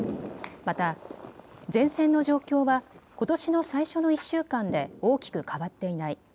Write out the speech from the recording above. また、前線の状況はことしの最初の１週間で大きく変わっていない。